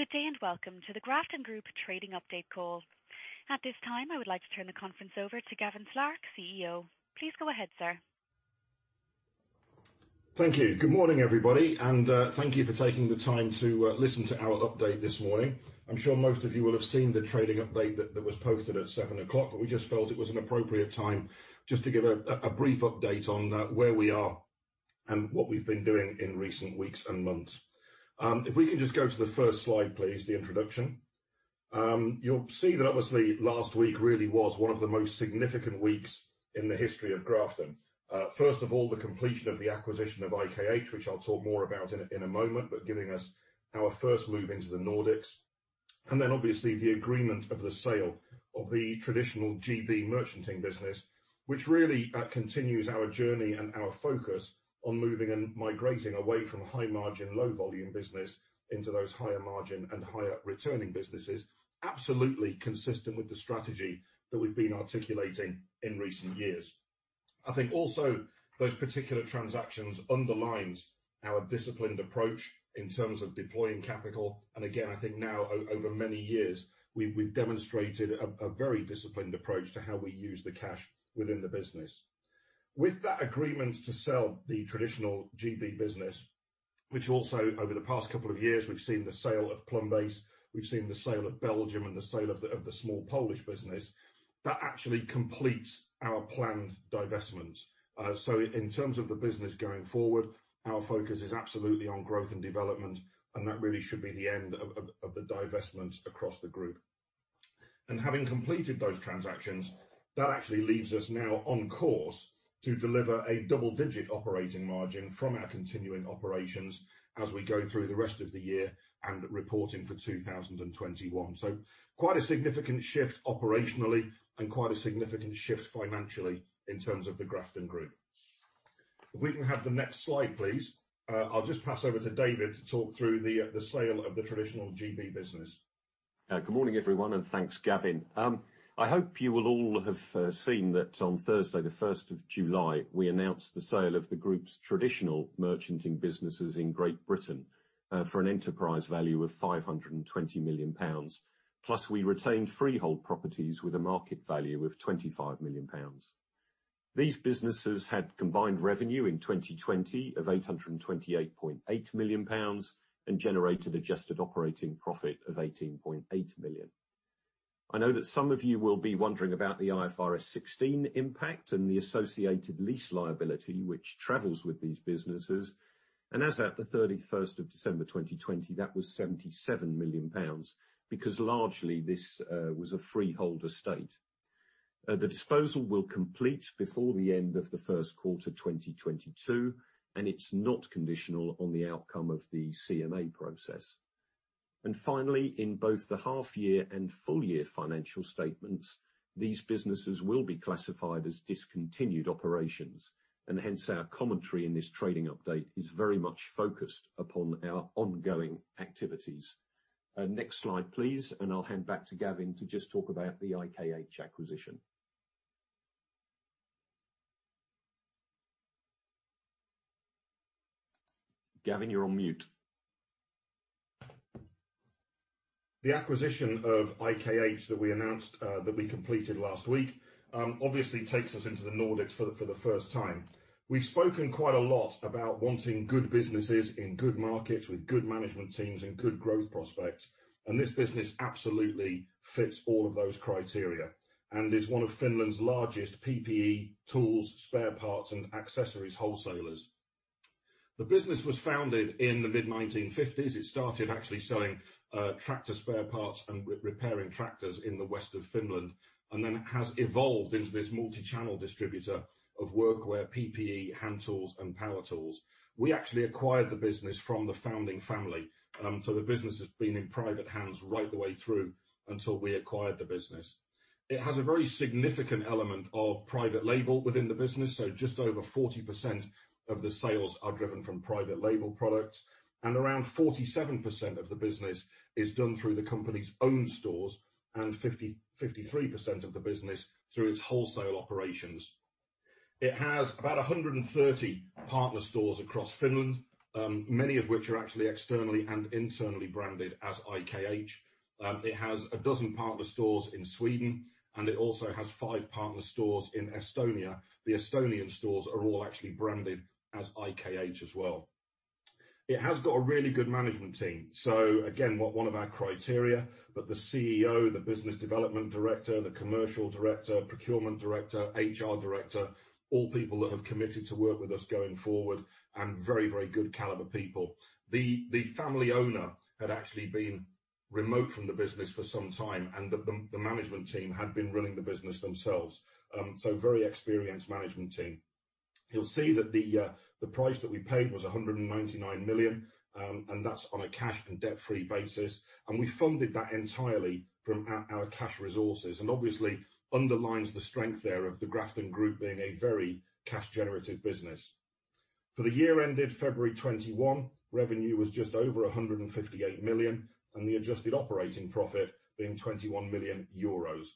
Good day and welcome to the Grafton Group Trading update call. At this time, I would like to turn the conference over to Gavin Slark, CEO. Please go ahead, sir. Thank you. Good morning, everybody, and thank you for taking the time to listen to our update this morning. I'm sure most of you will have seen the trading update that was posted at 7:00 A.M. We just felt it was an appropriate time just to give a brief update on where we are and what we've been doing in recent weeks and months. If we can just go to the first slide, please, the introduction. You'll have seen, obviously, last week really was one of the most significant weeks in the history of Grafton. First of all, the completion of the acquisition of IKH, which I'll talk more about in a moment, giving us our first move into the Nordics. Then obviously the agreement of the sale of the traditional GB merchanting business, which really continues our journey and our focus on moving and migrating away from high-margin, low-volume business into those higher margin and higher returning businesses, absolutely consistent with the strategy that we've been articulating in recent years. I think also those particular transactions underlines our disciplined approach in terms of deploying capital. Again, I think now over many years, we've demonstrated a very disciplined approach to how we use the cash within the business. With that agreement to sell the traditional GB business, which also over the past couple of years, we've seen the sale of Plumbase, we've seen the sale of Belgium and the sale of the small Polish business, that actually completes our planned divestments. In terms of the business going forward, our focus is absolutely on growth and development, that really should be the end of the divestments across the group. Having completed those transactions, that actually leaves us now on course to deliver a double-digit operating margin from our continuing operations as we go through the rest of the year and reporting for 2021. Quite a significant shift operationally and quite a significant shift financially in terms of the Grafton Group. If we can have the next slide, please. I'll just pass over to David to talk through the sale of the traditional GB business. Good morning, everyone, and thanks, Gavin. I hope you will all have seen that on Thursday the 1st of July, we announced the sale of the group's traditional merchanting businesses in Great Britain, for an enterprise value of 520 million pounds. Plus, we retained freehold properties with a market value of 25 million pounds. These businesses had combined revenue in 2020 of 828.8 million pounds and generated adjusted operating profit of 18.8 million. I know that some of you will be wondering about the IFRS 16 impact and the associated lease liability which travels with these businesses. As at the 31st of December 2020, that was 77 million pounds because largely this was a freehold estate. The disposal will complete before the end of the first quarter 2022, and it's not conditional on the outcome of the CMA process. Finally, in both the half-year and full-year financial statements, these businesses will be classified as discontinued operations. Hence, our commentary in this trading update is very much focused upon our ongoing activities. Next slide, please. I'll hand back to Gavin to just talk about the IKH acquisition. Gavin, you're on mute. The acquisition of IKH that we announced that we completed last week obviously takes us into the Nordics for the first time. We've spoken quite a lot about wanting good businesses in good markets with good management teams and good growth prospects, and this business absolutely fits all of those criteria and is one of Finland's largest PPE, tools, spare parts, and accessories wholesalers. The business was founded in the mid-1950s. It started actually selling tractor spare parts and repairing tractors in the west of Finland, and then it has evolved into this multi-channel distributor of workwear, PPE, hand tools, and power tools. We actually acquired the business from the founding family, so the business has been in private hands right the way through until we acquired the business. It has a very significant element of private label within the business, so just over 40% of the sales are driven from private label products, and around 47% of the business is done through the company's own stores and 53% of the business through its wholesale operations. It has about 130 partner stores across Finland, many of which are actually externally and internally branded as IKH. It has 12 partner stores in Sweden, and it also has five partner stores in Estonia. The Estonian stores are all actually branded as IKH as well. It has got a really good management team, so again, one of our criteria, but the CEO, the business development director, the commercial director, procurement director, HR director, all people that have committed to work with us going forward and very good caliber people. The family owner had actually been remote from the business for some time, and the management team had been running the business themselves. Very experienced management team. You'll see that the price that we paid was 199 million, and that's on a cash and debt-free basis, and we funded that entirely from our cash resources and obviously underlines the strength there of the Grafton Group being a very cash generative business. For the year ended February 2021, revenue was just over 158 million and the adjusted operating profit being 21 million euros.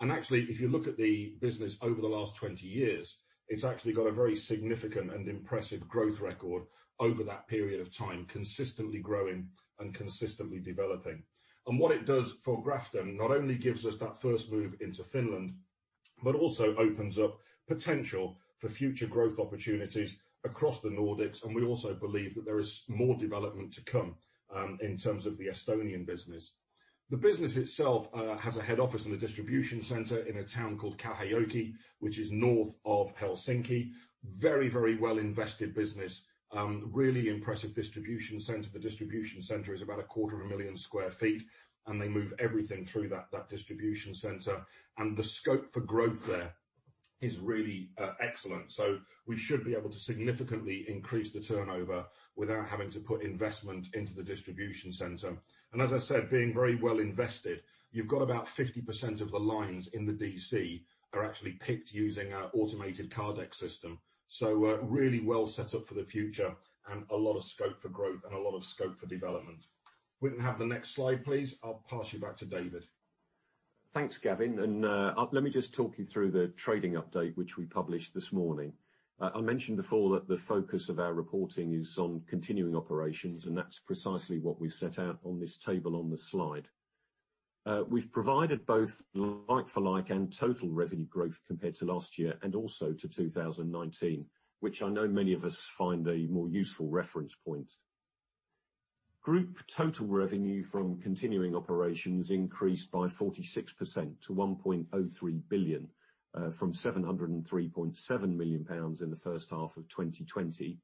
Actually, if you look at the business over the last 20 years, it's actually got a very significant and impressive growth record over that period of time, consistently growing and consistently developing. What it does for Grafton, not only gives us that first move into Finland but also opens up potential for future growth opportunities across the Nordics, and we also believe that there is more development to come in terms of the Estonian business. The business itself has a head office and a distribution center in a town called Kauhajoki, which is north of Helsinki. Very well-invested business. Really impressive distribution center. The distribution center is about 250,000 sq ft. They move everything through that distribution center. The scope for growth there is really excellent. We should be able to significantly increase the turnover without having to put investment into the distribution center. As I said, being very well invested, you've got about 50% of the lines in the DC are actually picked using our automated Kardex system. Really well set up for the future and a lot of scope for growth and a lot of scope for development. We can have the next slide, please. I'll pass you back to David. Thanks, Gavin. Let me just talk you through the trading update, which we published this morning. I mentioned before that the focus of our reporting is on continuing operations. That's precisely what we set out on this table on the slide. We've provided both like-for-like and total revenue growth compared to last year and also to 2019, which I know many of us find a more useful reference point. Group total revenue from continuing operations increased by 46% to 1.03 billion from 703.7 million pounds in the first half of 2020.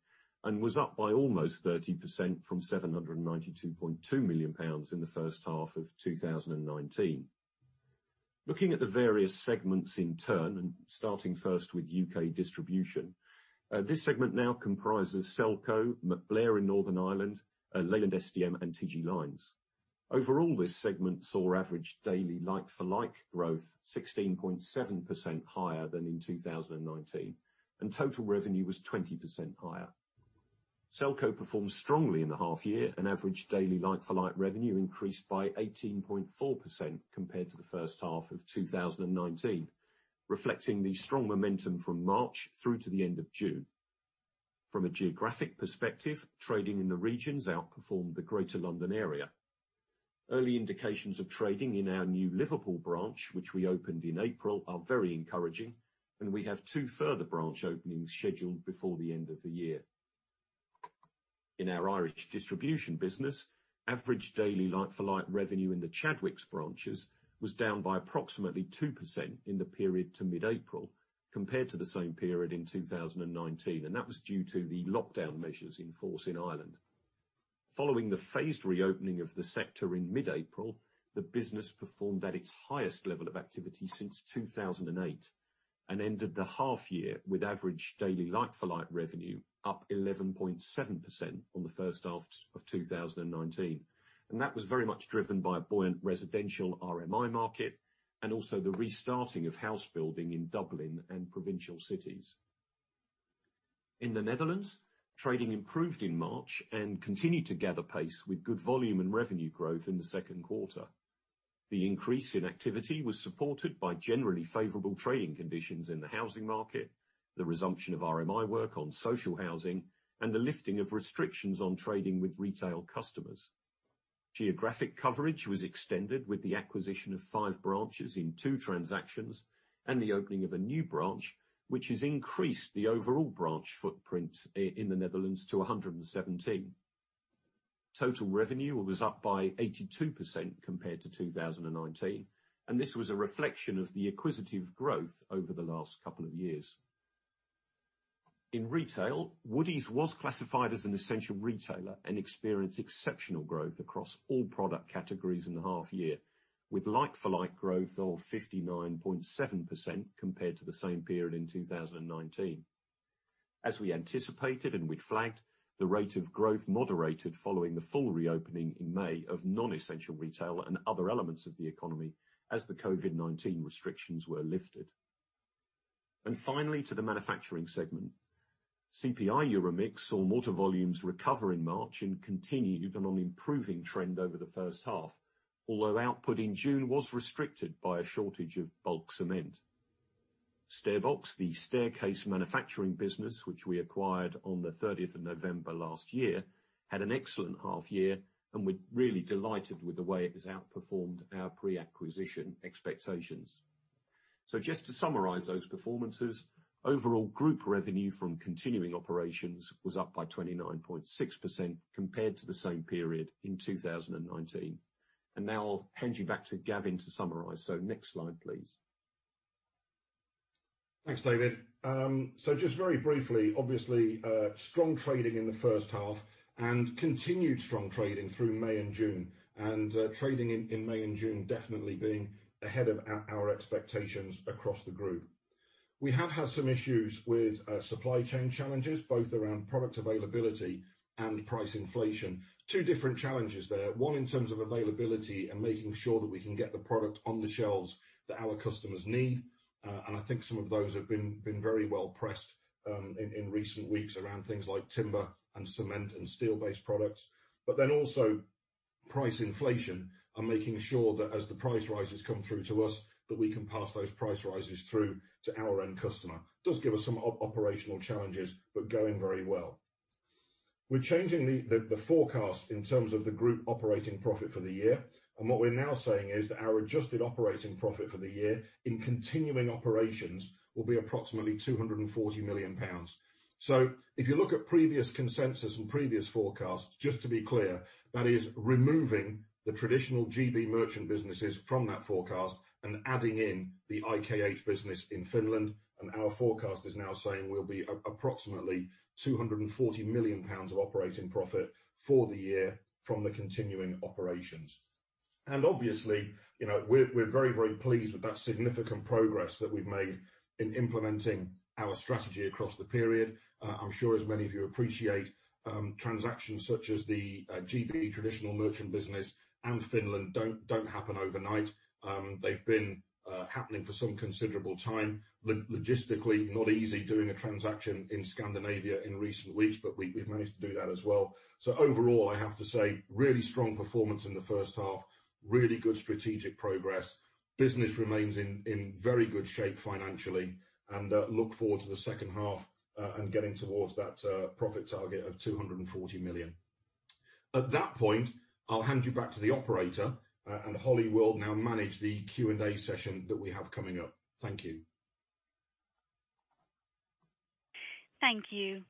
Was up by almost 30% from 792.2 million pounds in the first half of 2019. Looking at the various segments in turn and starting first with U.K. distribution, this segment now comprises Selco, MacBlair in Northern Ireland, Leyland SDM, and TG Lynes. Overall, this segment saw average daily like-for-like growth 16.7% higher than in 2019. Total revenue was 20% higher. Selco performed strongly in the half year. Average daily like-for-like revenue increased by 18.4% compared to the first half of 2019, reflecting the strong momentum from March through to the end of June. From a geographic perspective, trading in the regions outperformed the greater London area. Early indications of trading in our new Liverpool branch, which we opened in April, are very encouraging. We have two further branch openings scheduled before the end of the year. In our Irish distribution business, average daily like-for-like revenue in the Chadwicks branches was down by approximately 2% in the period to mid-April compared to the same period in 2019. That was due to the lockdown measures in force in Ireland. Following the phased reopening of the sector in mid-April, the business performed at its highest level of activity since 2008 and ended the half year with average daily like-for-like revenue up 11.7% on the first half of 2019. That was very much driven by a buoyant residential RMI market and also the restarting of house building in Dublin and provincial cities. In the Netherlands, trading improved in March and continued to gather pace with good volume and revenue growth in the second quarter. The increase in activity was supported by generally favorable trading conditions in the housing market, the resumption of RMI work on social housing, and the lifting of restrictions on trading with retail customers. Geographic coverage was extended with the acquisition of five branches in two transactions and the opening of a new branch, which has increased the overall branch footprint in the Netherlands to 117. Total revenue was up by 82% compared to 2019, and this was a reflection of the acquisitive growth over the last couple of years. In retail, Woodie's was classified as an essential retailer and experienced exceptional growth across all product categories in the half year, with like-for-like growth of 59.7% compared to the same period in 2019. As we anticipated and we'd flagged, the rate of growth moderated following the full reopening in May of non-essential retail and other elements of the economy as the COVID-19 restrictions were lifted. Finally, to the manufacturing segment. CPI EuroMix saw mortar volumes recover in March and continued on an improving trend over the first half, although output in June was restricted by a shortage of bulk cement. StairBox, the staircase manufacturing business which we acquired on the 30th of November last year, had an excellent half year, and we're really delighted with the way it has outperformed our pre-acquisition expectations. Just to summarize those performances, overall group revenue from continuing operations was up by 29.6% compared to the same period in 2019. Now I'll hand you back to Gavin to summarize. Next slide, please. Thanks, David. Just very briefly, obviously, strong trading in the first half and continued strong trading through May and June, and trading in May and June definitely being ahead of our expectations across the group. We have had some issues with supply chain challenges, both around product availability and price inflation. Two different challenges there. One, in terms of availability and making sure that we can get the product on the shelves that our customers need, and I think some of those have been very well pressed in recent weeks around things like timber and cement and steel-based products. Also price inflation and making sure that as the price rises come through to us, that we can pass those price rises through to our end customer. Does give us some operational challenges, but going very well. We're changing the forecast in terms of the group operating profit for the year. What we're now saying is that our adjusted operating profit for the year in continuing operations will be approximately 240 million pounds. If you look at previous consensus and previous forecasts, just to be clear, that is removing the traditional GB merchant businesses from that forecast and adding in the IKH business in Finland, and our forecast is now saying we'll be approximately 240 million pounds of operating profit for the year from the continuing operations. Obviously, we're very, very pleased with that significant progress that we've made in implementing our strategy across the period. I'm sure as many of you appreciate, transactions such as the GB traditional merchant business and Finland don't happen overnight. They've been happening for some considerable time. Logistically, not easy doing a transaction in Scandinavia in recent weeks, but we've managed to do that as well. Overall, I have to say, really strong performance in the first half, really good strategic progress. Business remains in very good shape financially and look forward to the second half, and getting towards that profit target of 240 million. At that point, I'll hand you back to the operator, and Holly will now manage the Q&A session that we have coming up. Thank you. Thank you.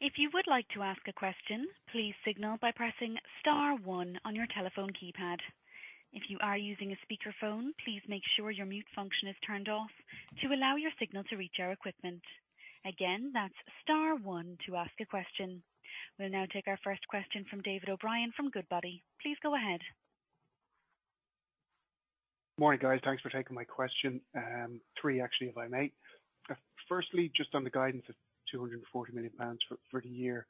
If you would like to ask a question, please ignite by pressing star one on your telephone keypad. If you are using a speaker phone, please make sure your mute function is turned off to allow your signal to reach out to system. Again that is star one to ask a question. We'll now take our first question from David O'Brien from Goodbody. Please go ahead. Morning, guys. Thanks for taking my question. Three actually, if I may. Firstly, just on the guidance of 240 million pounds for the year,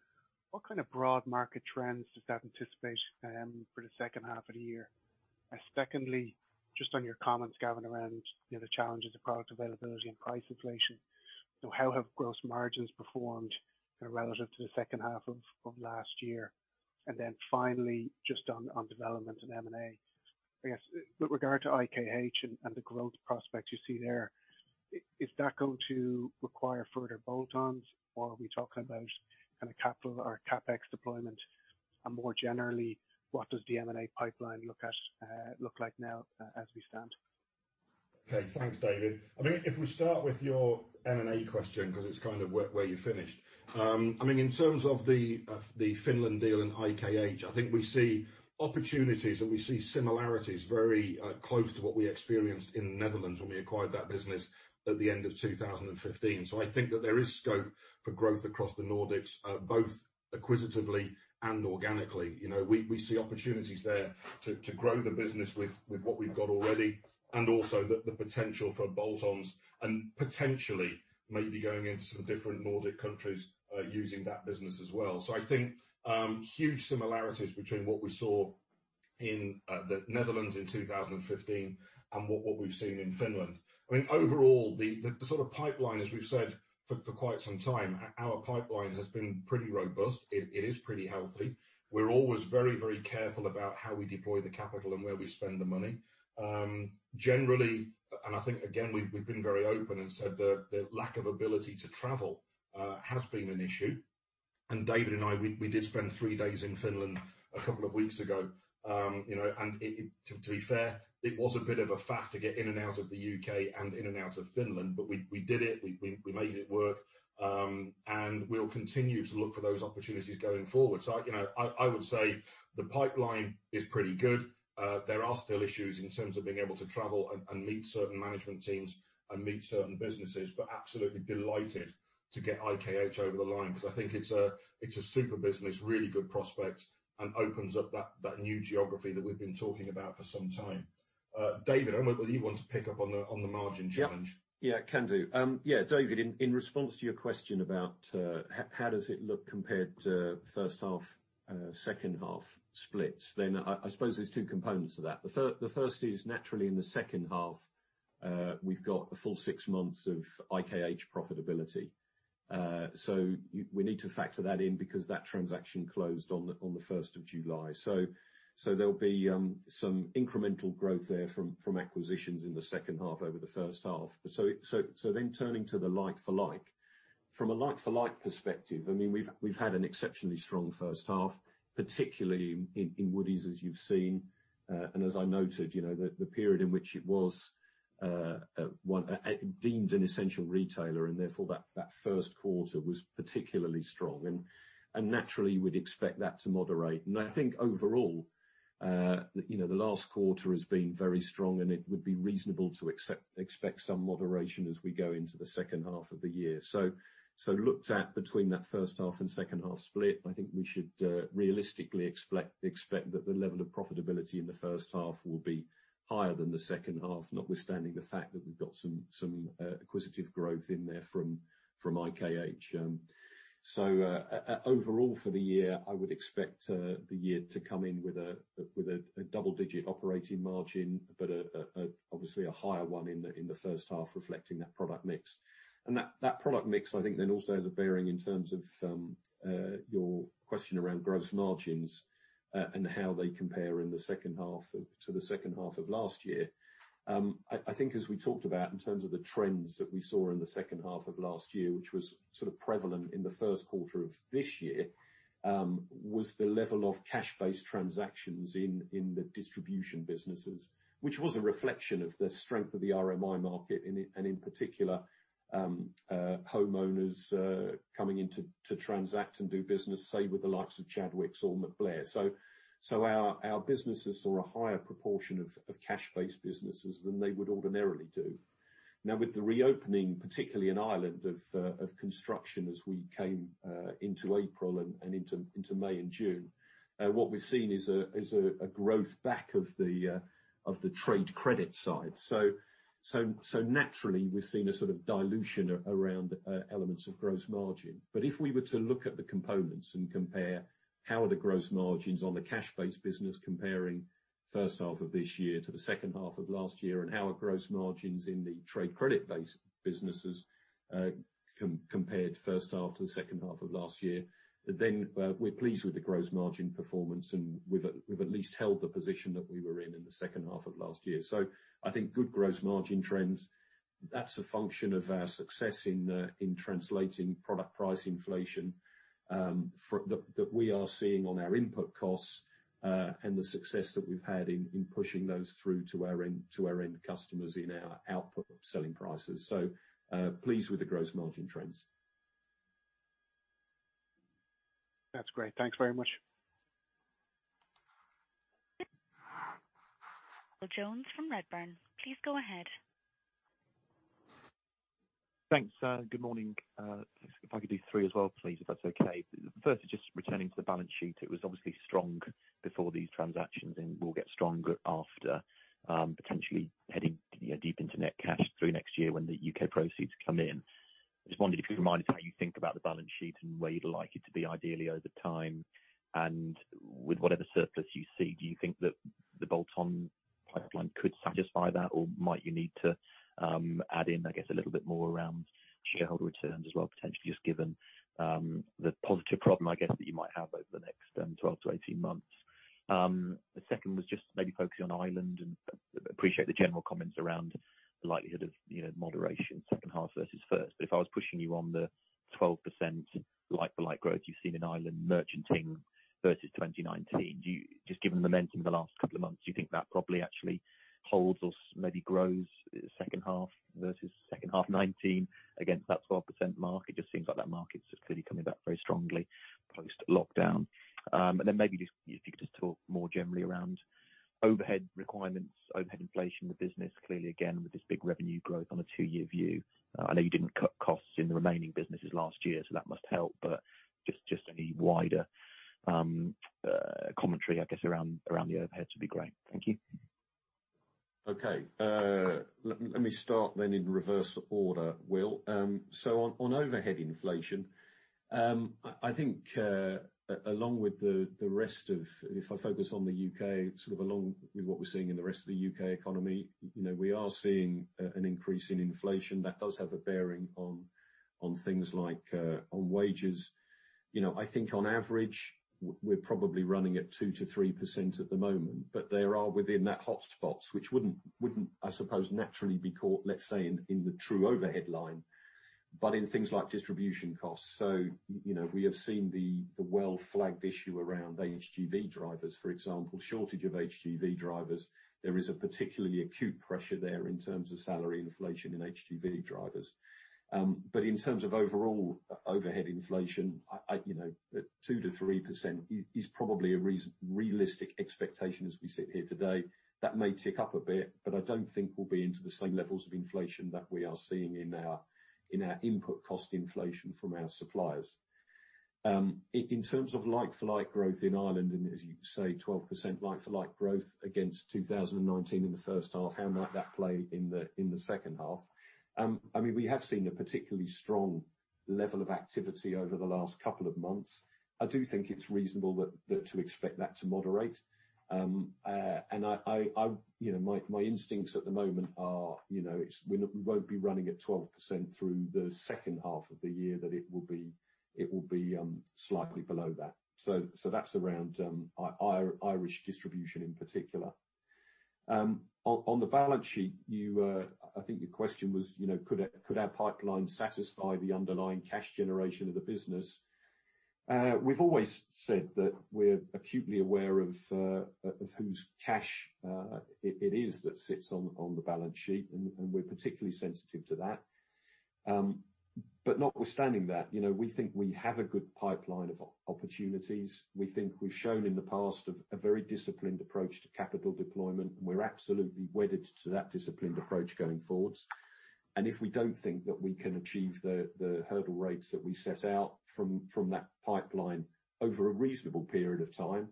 what kind of broad market trends does that anticipate for the second half of the year? Secondly, just on your comments, Gavin, around the challenges of product availability and price inflation, how have gross margins performed relative to the second half of last year? Finally, just on development and M&A. I guess, with regard to IKH and the growth prospects you see there, is that going to require further bolt-ons? Or are we talking about capital or CapEx deployment? More generally, what does the M&A pipeline look like now as we stand? Okay. Thanks, David. If we start with your M&A question, because it is kind of where you finished. In terms of the Finland deal and IKH, I think we see opportunities and we see similarities very close to what we experienced in the Netherlands when we acquired that business at the end of 2015. I think that there is scope for growth across the Nordics, both acquisitively and organically. We see opportunities there to grow the business with what we have got already and also the potential for bolt-ons and potentially maybe going into the different Nordic countries using that business as well. I think huge similarities between what we saw in the Netherlands in 2015 and what we have seen in Finland. Overall, the sort of pipeline, as we have said for quite some time, our pipeline has been pretty robust. It is pretty healthy. We're always very, very careful about how we deploy the capital and where we spend the money. Generally, I think again, we've been very open and said the lack of ability to travel has been an issue. David and I, we did spend three days in Finland a couple of weeks ago. To be fair, it was a bit of a faff to get in and out of the U.K. and in and out of Finland, but we did it. We made it work. We'll continue to look for those opportunities going forward. I would say the pipeline is pretty good. There are still issues in terms of being able to travel and meet certain management teams and meet certain businesses, but absolutely delighted to get IKH over the line because I think it's a super business, really good prospects, and opens up that new geography that we've been talking about for some time. David, I don't know whether you want to pick up on the margin challenge. Yeah, can do. David, in response to your question about how does it look compared to first half, second half splits, I suppose there's two components to that. The first is naturally in the second half, we've got a full six months of IKH profitability. We need to factor that in because that transaction closed on the 1st of July. There'll be some incremental growth there from acquisitions in the second half over the first half. Turning to the like-for-like. From a like-for-like perspective, we've had an exceptionally strong first half, particularly in Woodie's, as you've seen. As I noted, the period in which it was deemed an essential retailer, and therefore that 1st quarter was particularly strong. Naturally, we'd expect that to moderate. I think overall, the last quarter has been very strong, and it would be reasonable to expect some moderation as we go into the second half of the year. Looked at between that first half and second half split, I think we should realistically expect that the level of profitability in the first half will be higher than the second half, notwithstanding the fact that we've got some acquisitive growth in there from IKH. Overall for the year, I would expect the year to come in with a double-digit operating margin, but obviously a higher one in the first half reflecting that product mix. That product mix I think then also has a bearing in terms of your question around gross margins and how they compare to the second half of last year. I think as we talked about in terms of the trends that we saw in the second half of last year, which was sort of prevalent in the first quarter of this year, was the level of cash-based transactions in the distribution businesses, which was a reflection of the strength of the RMI market and in particular homeowners coming in to transact and do business, say, with the likes of Chadwicks or MacBlair. Our businesses saw a higher proportion of cash-based businesses than they would ordinarily do. Now, with the reopening, particularly in Ireland, of construction as we came into April and into May and June, what we've seen is a growth back of the trade credit side. Naturally, we're seeing a sort of dilution around elements of gross margin. If we were to look at the components and compare how are the gross margins on the cash-based business comparing first half of this year to the second half of last year, and how are gross margins in the trade credit-based businesses compared first half to the second half of last year, then we're pleased with the gross margin performance, and we've at least held the position that we were in the second half of last year. I think good gross margin trends, that's a function of our success in translating product price inflation that we are seeing on our input costs, and the success that we've had in pushing those through to our end customers in our output of selling prices. Pleased with the gross margin trends. That's great. Thanks very much. Jones from Redburn, please go ahead. Thanks. Good morning. If I could do three as well, please, if that's okay. First is just returning to the balance sheet. It was obviously strong before these transactions and will get stronger after potentially heading deep into net cash through next year when the U.K. proceeds come in. Just wondered if you could remind us how you think about the balance sheet and where you'd like it to be ideally over time. With whatever surplus you see, do you think that the bolt-on pipeline could satisfy that? Might you need to add in, I guess, a little bit more around shareholder returns as well, potentially, just given the positive problem, I guess, that you might have over the next 12-18 months. The second was just maybe focusing on Ireland and appreciate the general comments around the likelihood of moderation second half versus first. If I was pushing you on the 12% like-for-like growth you've seen in Ireland merchanting versus 2019, just given the momentum the last couple of months, do you think that probably actually holds or maybe grows second half versus second half 2019 against that 12% mark? I just think that market's just clearly coming back very strongly post-lockdown. Then maybe if you could just talk more generally around overhead requirements, overhead inflation in the business. Clearly, again, with this big revenue growth on a two-year view. I know you didn't cut costs in the remaining businesses last year, so that must help, but just any wider commentary, I guess, around the overheads would be great. Thank you. Okay. Let me start in reverse order, Will. On overhead inflation, I think if I focus on the U.K., sort of along with what we're seeing in the rest of the U.K. economy, we are seeing an increase in inflation that does have a bearing on things like on wages. I think on average, we're probably running at 2%-3% at the moment, there are within that hotspots, which wouldn't, I suppose, naturally be caught, let's say, in the true overhead line, but in things like distribution costs. We have seen the well-flagged issue around HGV drivers, for example, shortage of HGV drivers. There is a particularly acute pressure there in terms of salary inflation in HGV drivers. In terms of overall overhead inflation, at 2%-3% is probably a realistic expectation as we sit here today. That may tick up a bit, but I don't think we'll be into the same levels of inflation that we are seeing in our input cost inflation from our suppliers. In terms of like-for-like growth in Ireland, and as you say, 12% like-for-like growth against 2019 in the first half, how might that play in the second half? We have seen a particularly strong level of activity over the last couple of months. I do think it's reasonable to expect that to moderate. My instincts at the moment are we won't be running at 12% through the second half of the year, that it will be slightly below that. That's around Irish distribution in particular. On the balance sheet, I think your question was, could our pipeline satisfy the underlying cash generation of the business? We've always said that we're acutely aware of whose cash it is that sits on the balance sheet, and we're particularly sensitive to that. Notwithstanding that, we think we have a good pipeline of opportunities. We think we've shown in the past a very disciplined approach to capital deployment, and we're absolutely wedded to that disciplined approach going forward. If we don't think that we can achieve the hurdle rates that we set out from that pipeline over a reasonable period of time,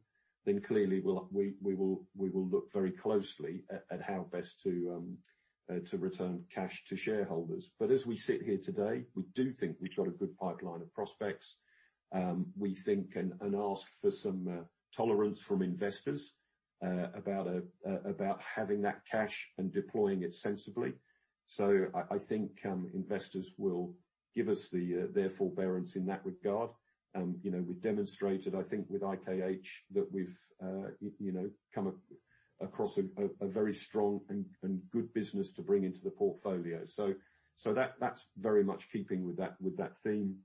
then clearly we will look very closely at how best to return cash to shareholders. As we sit here today, we do think we've got a good pipeline of prospects. We think and ask for some tolerance from investors about having that cash and deploying it sensibly. I think investors will give us their forbearance in that regard. We demonstrated, I think with IKH, that we've come across a very strong and good business to bring into the portfolio. That's very much keeping with that theme,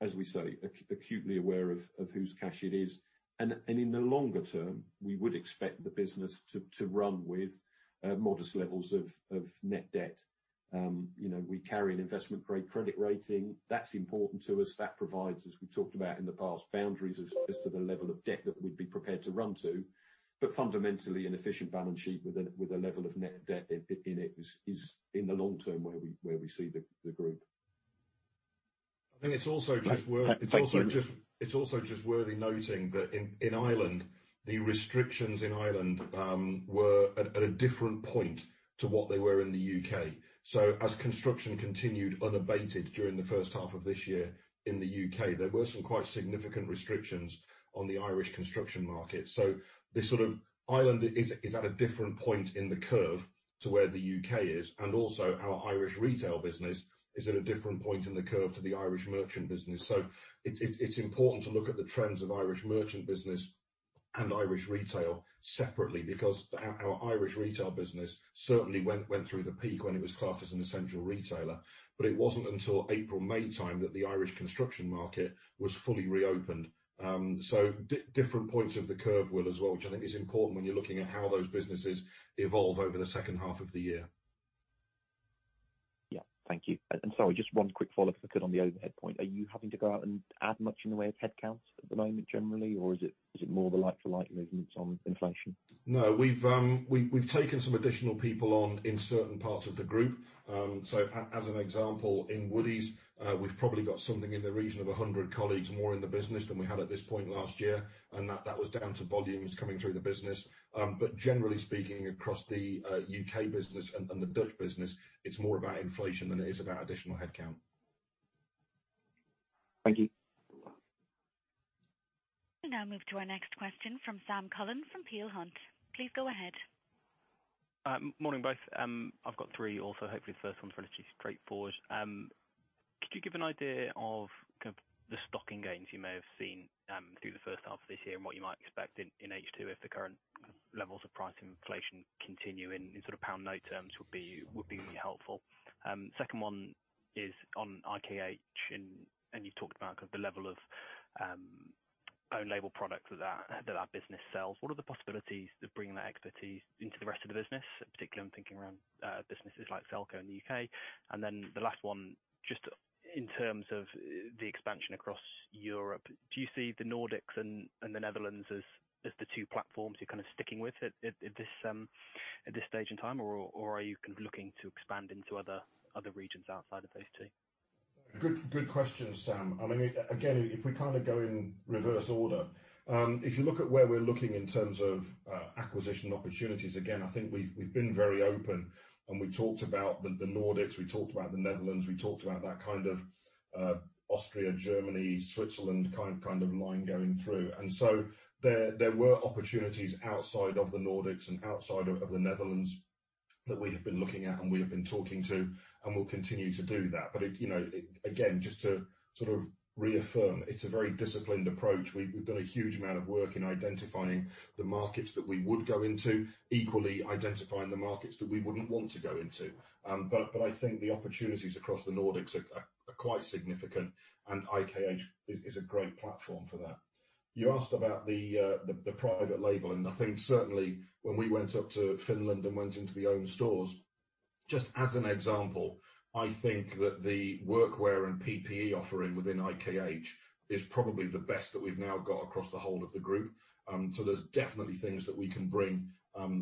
as we say, acutely aware of whose cash it is. In the longer term, we would expect the business to run with modest levels of net debt. We carry an investment-grade credit rating. That's important to us. That provides, as we talked about in the past, boundaries as to the level of debt that we'd be prepared to run to. Fundamentally, an efficient balance sheet with a level of net debt in it is in the long term where we see the group. I think it's also just worthy noting that in Ireland, the restrictions in Ireland were at a different point to what they were in the U.K. As construction continued unabated during the first half of this year in the U.K., there were some quite significant restrictions on the Irish construction market. Ireland is at a different point in the curve to where the U.K. is, and also our Irish retail business is at a different point in the curve to the Irish merchant business. It's important to look at the trends of Irish merchant business and Irish retail separately, because our Irish retail business certainly went through the peak when it was classed as an essential retailer, but it wasn't until April, May time that the Irish construction market was fully reopened. Different points of the curve will as well, which I think is important when you're looking at how those businesses evolve over the second half of the year. Yeah, thank you. Sorry, just one quick follow-up on the overhead point. Are you having to go out and add much in the way of headcount at the moment generally, or is it more of a like-for-like movement on inflation? We've taken some additional people on in certain parts of the group. As an example, in Woodie's, we've probably got something in the region of 100 colleagues more in the business than we had at this point last year, and that was down to volumes coming through the business. Generally speaking, across the U.K. business and the Dutch business, it's more about inflation than it is about additional headcount. Thank you. We now move to our next question from Sam Cullen from Peel Hunt. Please go ahead. Morning, guys. I've got three also. Hopefully the first one's relatively straightforward. Could you give an idea of the stock gains you may have seen through the first half of this year and what you might expect in H2 if the current levels of price inflation continue in pound note terms would be helpful. Second one is on IKH. You talked about the level of own-label products that that business sells. What are the possibilities to bring that expertise into the rest of the business, particularly I'm thinking around businesses like Selco in the U.K. The last one, just in terms of the expansion across Europe, do you see the Nordics and the Netherlands as the two platforms you're sticking with at this stage in time, or are you looking to expand into other regions outside of those two? Good question, Sam. If we go in reverse order. If you look at where we're looking in terms of acquisition opportunities, again, I think we've been very open and we talked about the Nordics, we talked about the Netherlands, we talked about that Austria, Germany, Switzerland kind of line going through. There were opportunities outside of the Nordics and outside of the Netherlands that we have been looking at and we have been talking to and we'll continue to do that. Just to reaffirm, it's a very disciplined approach. We've done a huge amount of work in identifying the markets that we would go into, equally identifying the markets that we wouldn't want to go into. I think the opportunities across the Nordics are quite significant, and IKH is a great platform for that. You asked about the private label, and I think certainly when we went up to Finland and went into the own stores, just as an example, I think that the workwear and PPE offering within IKH is probably the best that we've now got across the whole of the group. There's definitely things that we can bring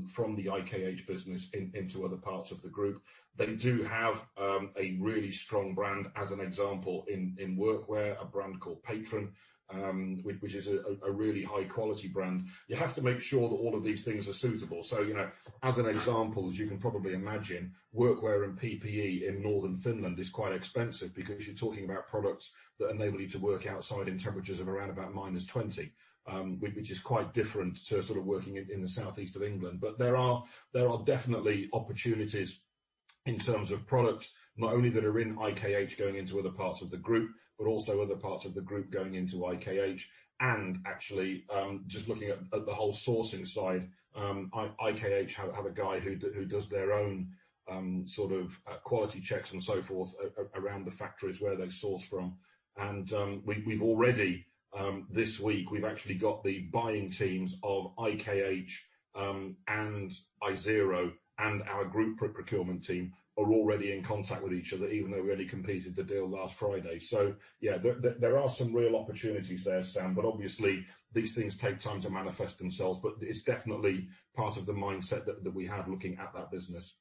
from the IKH business into other parts of the group. They do have a really strong brand, as an example, in workwear, a brand called Parador, which is a really high-quality brand. You have to make sure that all of these things are suitable. As an example, as you can probably imagine, workwear and PPE in northern Finland is quite expensive because you're talking about products that enable you to work outside in temperatures of around about -20, which is quite different to working in the southeast of England. There are definitely opportunities in terms of products, not only that are in IKH going into other parts of the group, but also other parts of the group going into IKH. Actually, just looking at the whole sourcing side, IKH have a guy who does their own quality checks and so forth around the factories where they source from. We've already, this week, we've actually got the buying teams of IKH and Isero and our group procurement team are already in contact with each other, even though we only completed the deal last Friday. Yeah, there are some real opportunities there, Sam, but obviously these things take time to manifest themselves, but it's definitely part of the mindset that we had looking at that business.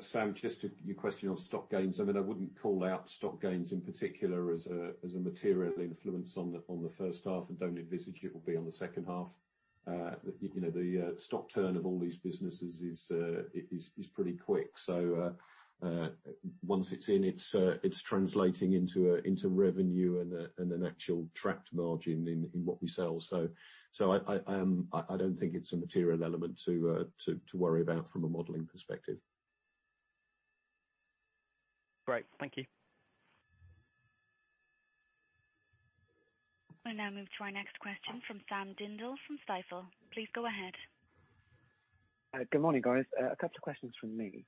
Sam, just your question on stock gains. I wouldn't call out stock gains in particular as a material influence on the first half and don't envisage it will be on the second half. The stock turn of all these businesses is pretty quick. Once it's in, it's translating into revenue and an actual tracked margin in what we sell. I don't think it's a material element to worry about from a modeling perspective. Great. Thank you. We now move to our next question from Sam Dindol from Stifel. Please go ahead. Good morning, guys. A couple questions from me.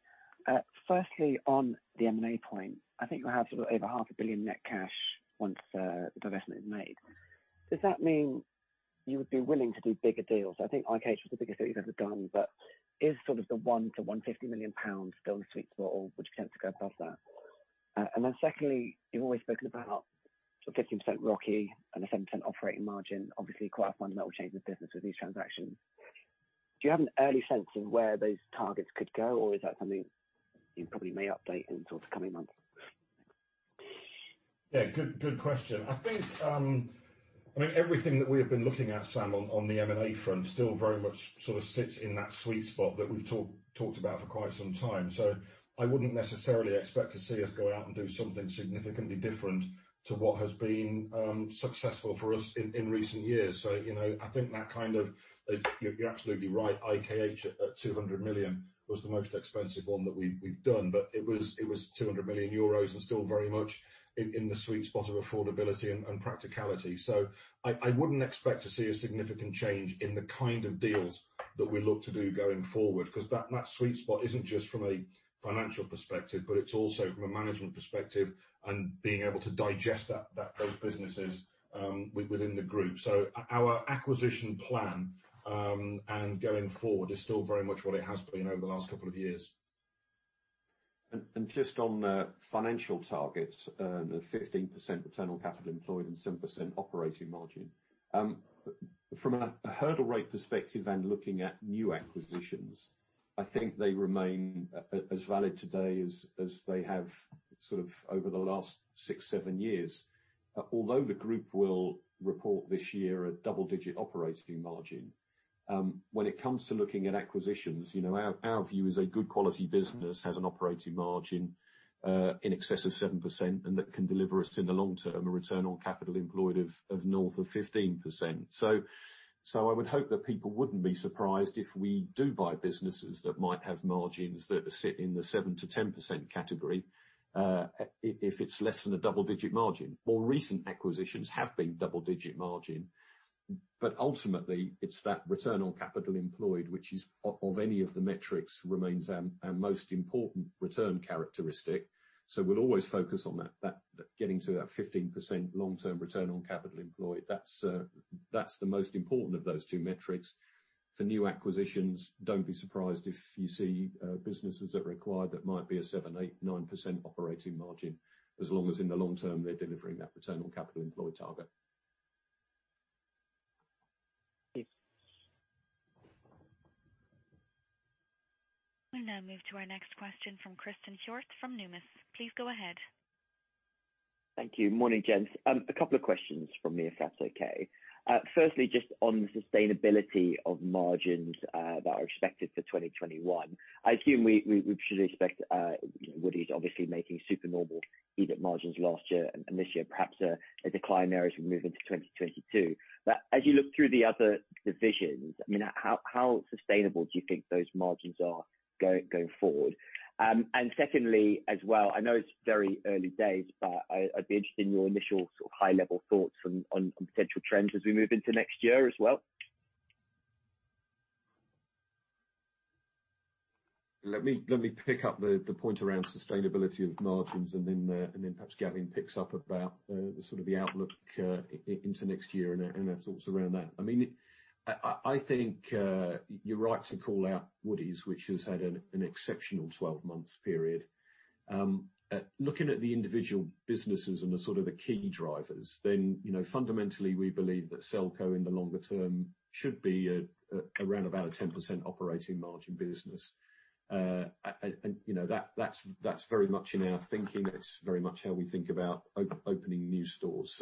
Firstly, on the M&A point, I think you have over 500,000,000 million net cash once the divestment is made. Does that mean you would be willing to do bigger deals? I think IKH is the biggest deal you've ever done, but is the 100 million-150 million pounds still the sweet spot, or potential to go above that? Secondly, you've always spoken about 15% ROCE and a 7% operating margin, obviously quite a fundamental change of business with these transactions. Do you have an early sense of where those targets could go, or is that something you probably may update in sort of the coming months? Yeah, good question. I think, everything that we have been looking at, Sam, on the M&A front still very much sort of sits in that sweet spot that we've talked about for quite some time. I wouldn't necessarily expect to see us go out and do something significantly different to what has been successful for us in recent years. You're absolutely right. IKH at 200 million was the most expensive one that we've done, it was 200 million euros and still very much in the sweet spot of affordability and practicality. I wouldn't expect to see a significant change in the kind of deals that we look to do going forward, because that sweet spot isn't just from a financial perspective, but it's also from a management perspective and being able to digest those businesses within the group. Our acquisition plan, and going forward is still very much what it has been over the last couple of years. Just on the financial targets, the 15% return on capital employed and 7% operating margin. From a hurdle rate perspective and looking at new acquisitions, I think they remain as valid today as they have sort of over the last six, seven years. Although the group will report this year a double-digit operating margin, when it comes to looking at acquisitions, our view is a good quality business has an operating margin in excess of 7% and that can deliver us in the long term a return on capital employed of north of 15%. I would hope that people wouldn't be surprised if we do buy businesses that might have margins that sit in the 7%-10% category, if it's less than a double-digit margin. More recent acquisitions have been double-digit margin. Ultimately, it's that return on capital employed which is, of any of the metrics, remains our most important return characteristic. We'll always focus on getting to that 15% long-term return on capital employed. That's the most important of those two metrics. For new acquisitions, don't be surprised if you see businesses that require that might be a 7%, 8%, 9% operating margin as long as in the long term, they're delivering that return on capital employed target. Thanks. We'll now move to our next question from Christen Hjorth from Numis. Please go ahead. Thank you. Morning, gents. A couple of questions from me, if that's okay. Firstly, just on the sustainability of margins that are expected for 2021. I assume we should expect, Woodie's obviously making super normal EBIT margins last year and this year, perhaps a decline there as we move into 2022. As you look through the other divisions, how sustainable do you think those margins are going forward? Secondly, as well, I know it's very early days, but I'd be interested in your initial sort of high-level thoughts on potential trends as we move into next year as well. Let me pick up the point around sustainability of margins and then perhaps Gavin picks up about the sort of the outlook into next year and our thoughts around that. I think, you're right to call out Woodie's which has had an exceptional 12 months period. Looking at the individual businesses and the sort of the key drivers, then fundamentally we believe that Selco in the longer term should be around about a 10% operating margin business. That's very much in our thinking. It's very much how we think about opening new stores.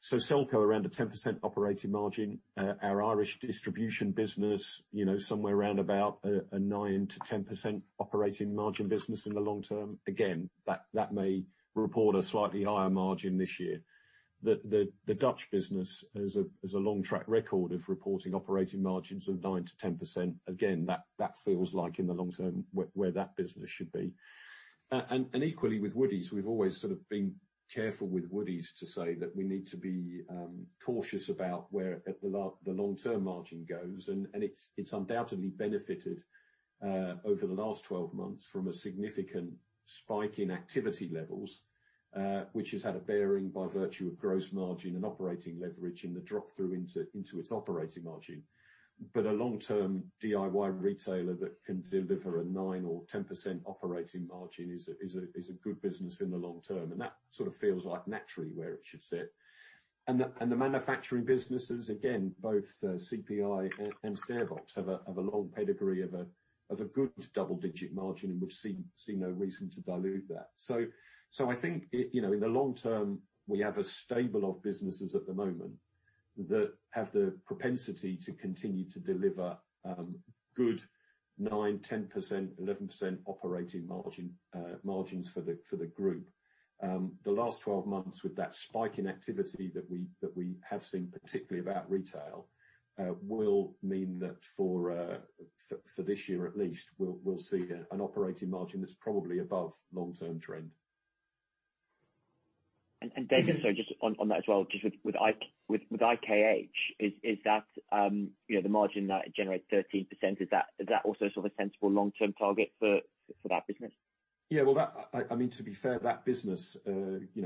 Selco around a 10% operating margin. Our Irish distribution business somewhere around about a 9%-10% operating margin business in the long term. Again, that may report a slightly higher margin this year. The Dutch business has a long track record of reporting operating margins of 9%-10%. Again, that feels like in the long term where that business should be. Equally with Woodie's, we've always sort of been careful with Woodie's to say that we need to be cautious about where the long-term margin goes, and it's undoubtedly benefited over the last 12 months from a significant spike in activity levels, which has had a bearing by virtue of gross margin and operating leverage in the drop-through into its operating margin. A long-term DIY retailer that can deliver a 9% or 10% operating margin is a good business in the long term, and that sort of feels like naturally where it should sit. The manufacturing businesses, again, both CPI and StairBox have a long pedigree of a good double-digit margin and we see no reason to dilute that. I think, in the long term, we have a stable of businesses at the moment that have the propensity to continue to deliver good 9%, 10%, 11% operating margins for the group. The last 12 months with that spike in activity that we have seen particularly about retail, will mean that for this year at least, we will see an operating margin that is probably above long-term trend. David, sorry, just on that as well, just with IKH, is that the margin that it generates 13%, is that also sort of a sensible long-term target for that business? Yeah. To be fair, that business,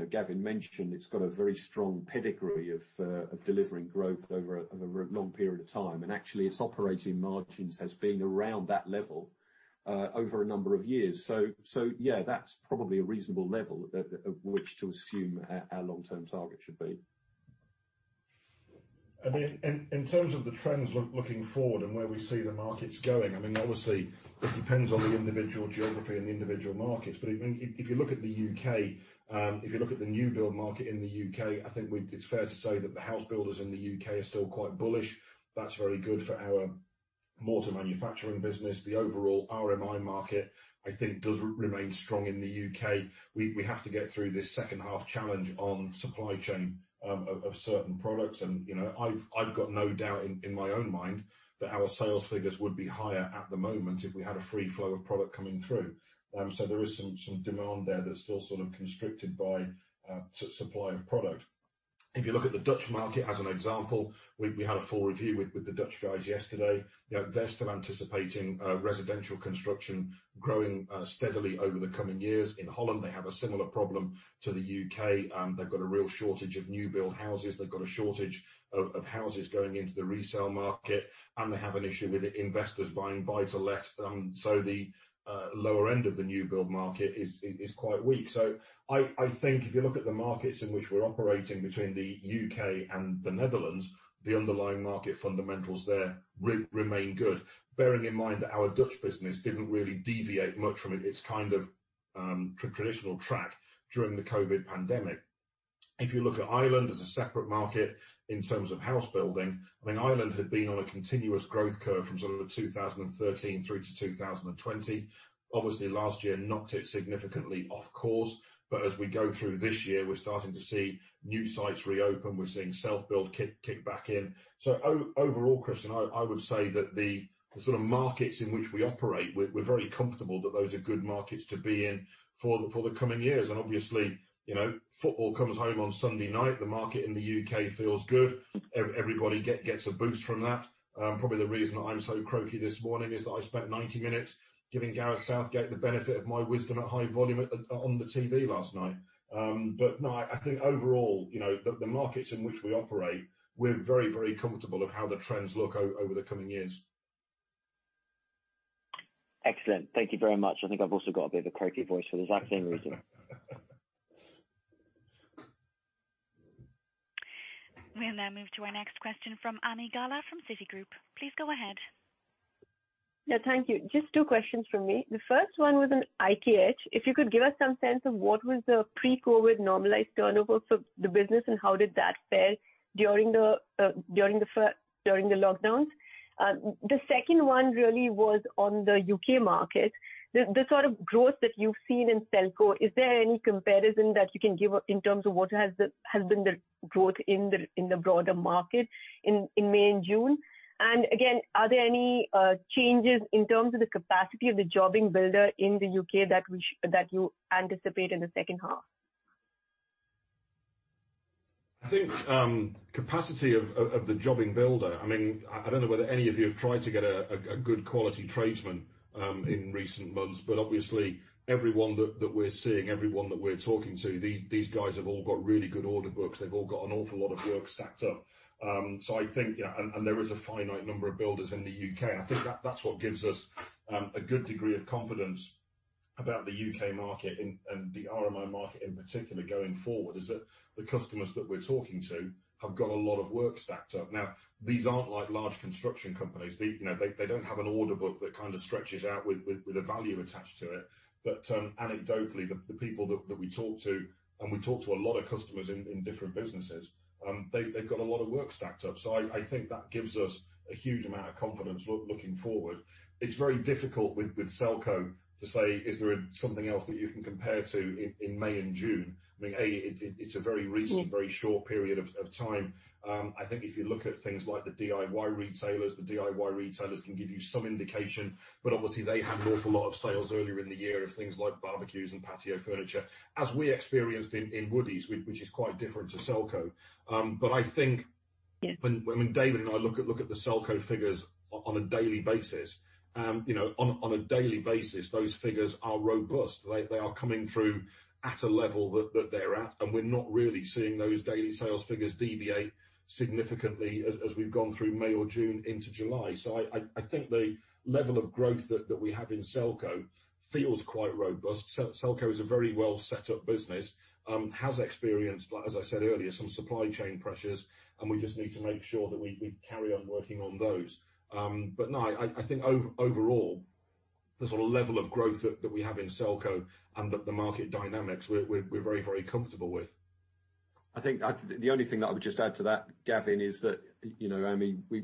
Gavin mentioned it's got a very strong pedigree of delivering growth over a long period of time and actually its operating margins has been around that level over a number of years. That's probably a reasonable level at which to assume our long-term target should be. In terms of the trends looking forward and where we see the markets going, obviously it depends on the individual geography and the individual markets. If you look at the U.K., if you look at the new build market in the U.K., I think it's fair to say that the house builders in the U.K. are still quite bullish. That's very good for our mortar manufacturing business. The overall RMI market, I think, does remain strong in the U.K. We have to get through this second half challenge on supply chain of certain products. I've got no doubt in my own mind that our sales figures would be higher at the moment if we had a free flow of product coming through. There is some demand there that's still constricted by supply of product. If you look at the Dutch market as an example, we had a full review with the Dutch guys yesterday. They're still anticipating residential construction growing steadily over the coming years. In Holland, they have a similar problem to the U.K. They've got a real shortage of new build houses. They've got a shortage of houses going into the resale market, and they have an issue with investors buying buy-to-let. The lower end of the new build market is quite weak. I think if you look at the markets in which we're operating between the U.K. and the Netherlands, the underlying market fundamentals there remain good. Bearing in mind that our Dutch business didn't really deviate much from its traditional track during the COVID pandemic. You look at Ireland as a separate market in terms of house building, Ireland had been on a continuous growth curve from 2013 through to 2020. Last year knocked it significantly off course. As we go through this year, we're starting to see new sites reopen. We're seeing self-build kick back in. Overall, Christen, I would say that the markets in which we operate, we're very comfortable that those are good markets to be in for the coming years. Football comes home on Sunday night. The market in the U.K. feels good. Everybody gets a boost from that. Probably the reason I'm so croaky this morning is that I spent 90 minutes giving Gareth Southgate the benefit of my wisdom at high volume on the TV last night. No, I think overall, the markets in which we operate, we're very, very comfortable of how the trends look over the coming years. Excellent. Thank you very much. I think I've also got a bit of a croaky voice for the exact same reason. We'll now move to our next question from Ami Galla from Citigroup. Please go ahead. Yeah, thank you. Just two questions from me. The first one was on IKH. If you could give us some sense of what was the pre-COVID normalized turnover for the business and how did that fare during the lockdowns? The second one really was on the U.K. market. The sort of growth that you've seen in Selco, is there any comparison that you can give in terms of what has been the growth in the broader market in May and June? Again, are there any changes in terms of the capacity of the jobbing builder in the U.K. that you anticipate in the second half? I think capacity of the Jobbing Builder, I don't know whether any of you have tried to get a good quality tradesman in recent months. Obviously every 1 that we're seeing, every 1 that we're talking to, these guys have all got really good order books. They've all got an awful lot of work stacked up. There is a finite number of builders in the U.K. I think that's what gives us a good degree of confidence about the U.K. market and the RMI market in particular going forward, is that the customers that we're talking to have got a lot of work stacked up. Now, these aren't like large construction companies. They don't have an order book that kind of stretches out with a value attached to it. Anecdotally, the people that we talk to, and we talk to a lot of customers in different businesses, they've got a lot of work stacked up. I think that gives us a huge amount of confidence looking forward. It's very difficult with Selco to say, is there something else that you can compare to in May and June? I mean, A, it's a very recent, very short period of time. I think if you look at things like the DIY retailers, the DIY retailers can give you some indication, but obviously they had an awful lot of sales earlier in the year of things like barbecues and patio furniture, as we experienced in Woodie's, which is quite different to Selco. I think when David and I look at the Selco figures on a daily basis, those figures are robust. They are coming through at a level that they're at, and we're not really seeing those daily sales figures deviate significantly as we've gone through May or June into July. I think the level of growth that we have in Selco feels quite robust. Selco is a very well set up business, has experienced, as I said earlier, some supply chain pressures, and we just need to make sure that we carry on working on those. No, I think overall, the sort of level of growth that we have in Selco and the market dynamics, we're very, very comfortable with. I think the only thing I would just add to that, Gavin, is that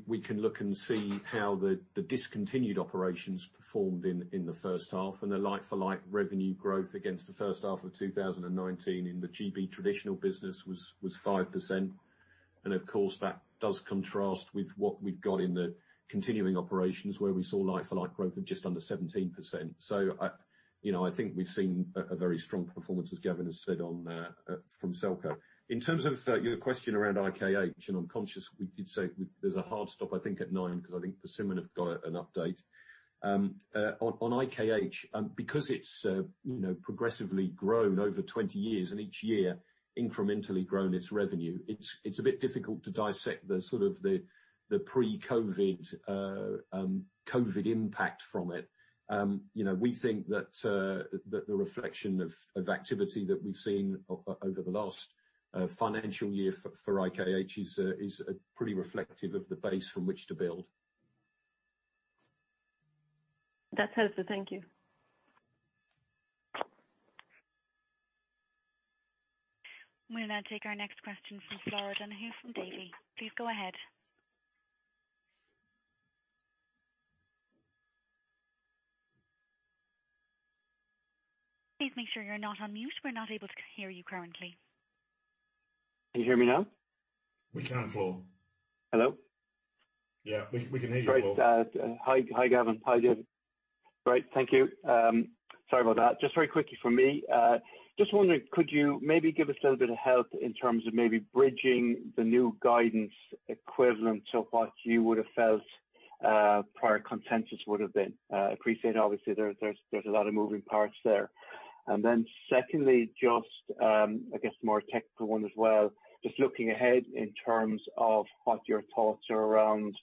we can look and see how the discontinued operations performed in the first half and the like-for-like revenue growth against the first half of 2019 in the GB traditional business was 5%. Of course, that does contrast with what we've got in the continuing operations where we saw like-for-like growth of just under 17%. I think we've seen a very strong performance, as Gavin has said, from Selco. In terms of your question around IKH, I'm conscious we did say there's a hard stop, I think at 9:00 A.M, because I think assuming have got an update. On IKH, because it's progressively grown over 20 years and each year incrementally grown its revenue, it's a bit difficult to dissect the pre-COVID impact from it. We think that the reflection of activity that we've seen over the last financial year for IKH is pretty reflective of the base from which to build. That's helpful. Thank you. We'll now take our next question from Florence on the line from Davy. Please go ahead. Please make sure you're not on mute. We're not able to hear you currently. Can you hear me now? We can, Flor. Hello? Yeah, we can hear you, Flor. Right. Hi, Gavin. How you doing? Great, thank you. Sorry about that. Just very quickly from me. Just wondering, could you maybe give us a little bit of help in terms of maybe bridging the new guidance equivalent of what you would have felt prior consensus would have been? I appreciate, obviously, there's a lot of moving parts there. Secondly, just I guess a more technical one as well, just looking ahead in terms of what your thoughts are around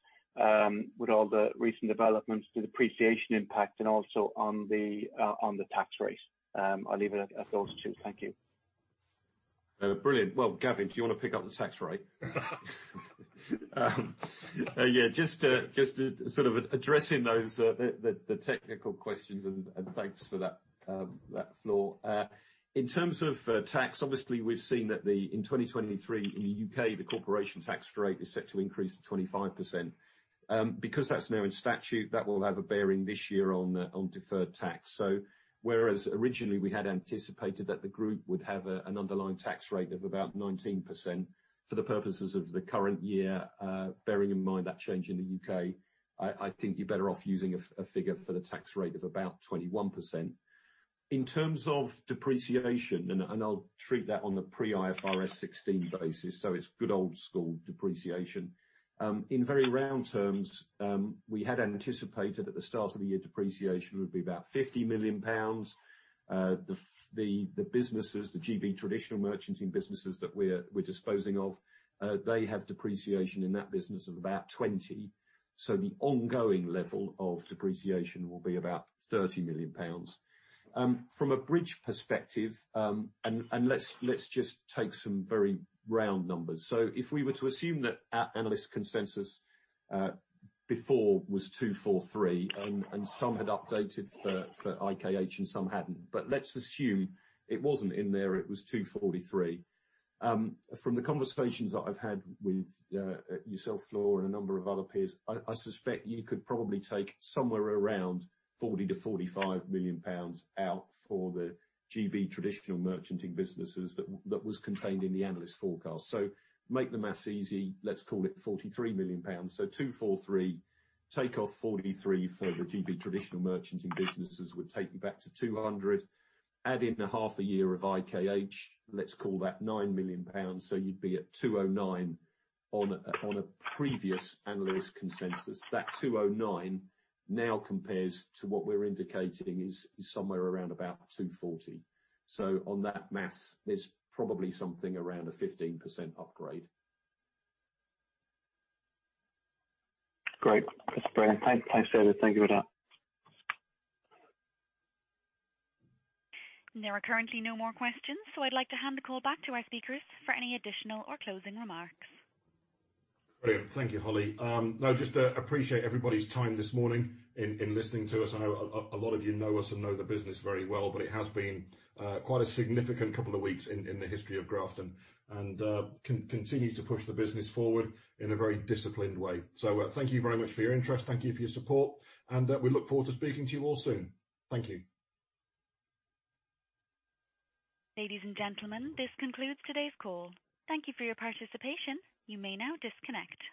with all the recent developments, the depreciation impact, and also on the tax rate. I'll leave it at those two. Thank you. Brilliant. Well, Gavin, do you want to pick up the tax rate? addressing those technical questions, and thanks for that, Flor. In terms of tax, obviously, we've seen that in 2023 in the U.K., the corporation tax rate is set to increase to 25%. Because that's now in statute, that will have a bearing this year on deferred tax. Whereas originally we had anticipated that the group would have an underlying tax rate of about 19% for the purposes of the current year, bearing in mind that change in the U.K., I think you're better off using a figure for the tax rate of about 21%. In terms of depreciation, and I'll treat that on the pre IFRS 16 basis, so it's good old school depreciation. In very round terms, we had anticipated at the start of the year, depreciation would be about 50 million pounds. The GB traditional merchanting businesses that we're disposing of, they have depreciation in that business of about 20 million, so the ongoing level of depreciation will be about 30 million pounds. From a bridge perspective, let's just take some very round numbers. If we were to assume that analyst consensus before was 243 million, and some had updated for IKH and some hadn't. Let's assume it wasn't in there, it was 243 million. From the conversations I've had with yourself, Flor, and a number of other peers, I suspect you could probably take somewhere around 40 million-45 million pounds out for the GB traditional merchanting businesses that was contained in the analyst forecast. Make the math easy, let's call it 43 million pounds. 243 million, take off 43 million for the GB traditional merchanting businesses, would take you back to 200 million, add in the half a year of IKH, let's call that 9 million pounds. You'd be at 209 million on a previous analyst consensus. That 209 million now compares to what we're indicating is somewhere around about 240 million. On that math, there's probably something around a 15% upgrade. Great. That's brilliant. Thanks, Gavin. Thank you very much. There are currently no more questions. I'd like to hand the call back to our speakers for any additional or closing remarks. Brilliant. Thank you, Holly. Just appreciate everybody's time this morning in listening to us. I know a lot of you know us and know the business very well, but it has been quite a significant couple of weeks in the history of Grafton, and continue to push the business forward in a very disciplined way. Thank you very much for your interest, thank you for your support, and we look forward to speaking to you all soon. Thank you. Ladies and gentlemen, this concludes today's call. Thank you for your participation. You may now disconnect.